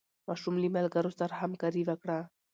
ماشوم له ملګرو سره همکاري وکړه